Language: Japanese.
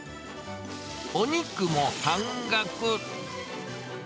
お肉も半額。